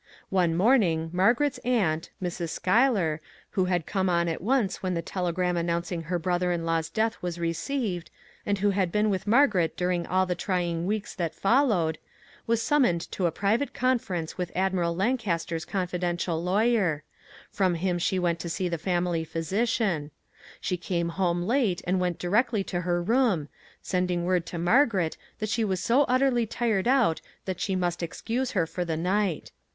One morning, Margaret's aunt, Mrs. Schuyler, who had come on at once when the telegram announcing her brother in law's death was received, and who had been with Margaret during all the trying weeks that fol lowed, was summoned to a private conference with Admiral Lancaster's confidential lawyer; from him she went to see the family physician ; she came home late and went directly to her room, sending. word to Margaret that she was 394 "WHAT ELSE COULD ONE DO?" so utterly tired out that she must excuse her for the night.